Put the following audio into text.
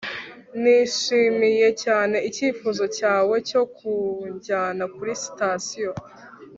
nishimiye cyane icyifuzo cyawe cyo kunjyana kuri sitasiyo